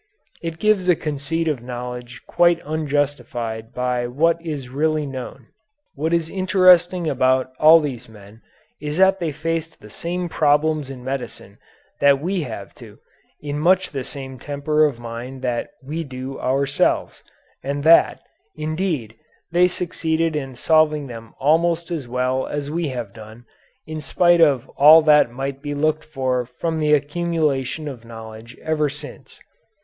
It gives a conceit of knowledge quite unjustified by what is really known. What is interesting about all these men is that they faced the same problems in medicine that we have to, in much the same temper of mind that we do ourselves, and that, indeed, they succeeded in solving them almost as well as we have done, in spite of all that might be looked for from the accumulation of knowledge ever since.